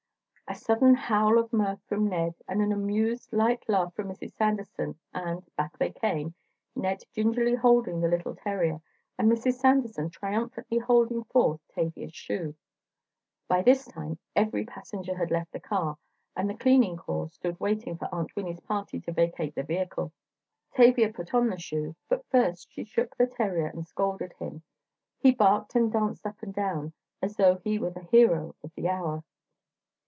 A sudden howl of mirth from Ned, and an amused, light laugh from Mrs. Sanderson, and, back they came, Ned gingerly holding the little terrier and Mrs. Sanderson triumphantly holding forth Tavia's shoe. By this time every passenger had left the car, and the cleaning corps stood waiting for Aunt Winnie's party to vacate the vehicle. Tavia put on the shoe, but first she shook the terrier and scolded him. He barked and danced up and down, as though he were the hero of the hour.